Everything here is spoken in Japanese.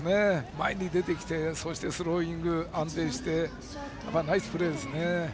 前に出てきてそしてスローイングが安定してナイスプレーですね。